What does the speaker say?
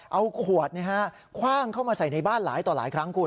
เอาขวดคว่างเข้ามาใส่ในบ้านหลายต่อหลายครั้งคุณ